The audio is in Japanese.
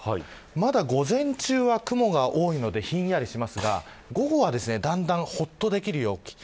まだ午前中は雲が多いのでひんやりしますが午後はだんだんほっとできる陽気です。